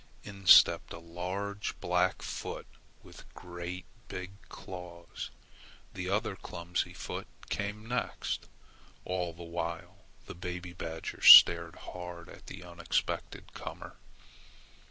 In stepped a large black foot with great big claws. Then the other clumsy foot came next. All the while the baby badgers stared hard at the unexpected comer.